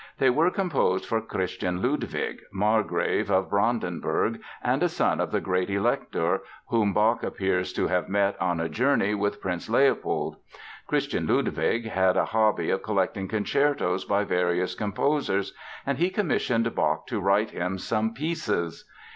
They were composed for Christian Ludwig, Margrave of Brandenburg and a son of the Great Elector, whom Bach appears to have met on a journey with Prince Leopold. Christian Ludwig had a hobby of collecting concertos by various composers and he commissioned Bach to write him "some pieces."